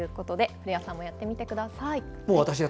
古谷さんもやってみてください。